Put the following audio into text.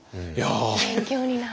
勉強になる。